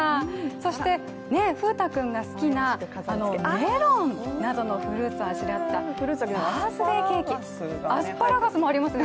そして、風太くんが好きなメロンなどのフルーツをあしらったバースデーケーキ、アスパラガスもありますね